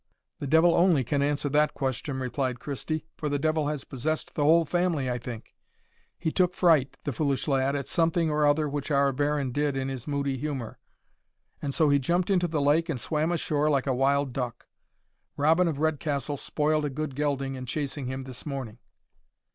"The devil only can answer that question," replied Christie, "for the devil has possessed the whole family, I think. He took fright, the foolish lad, at something or other which our Baron did in his moody humour, and so he jumped into the lake and swam ashore like a wild duck. Robin of Redcastle spoiled a good gelding in chasing him this morning."